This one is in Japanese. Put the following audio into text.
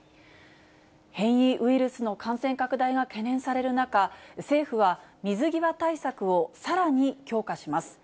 変異ウイルスの感染拡大が懸念される中、政府は水際対策をさらに強化します。